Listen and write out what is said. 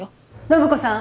暢子さん。